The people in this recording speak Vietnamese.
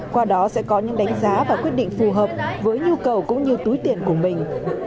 qua đó sẽ có những đánh giá và quyết định phù hợp với nhu cầu cũng như túi tiền của mình